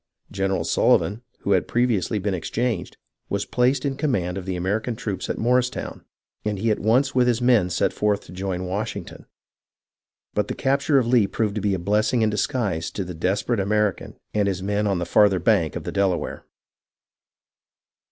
General Sullivan, who had previously been exchanged, was placed in command of the American troops at Morristown, and he at once with his men set forth to join Washington. But the capture of Lee proved to be a blessing in disguise to the desperate American and his men on the farther bank of the Delaware.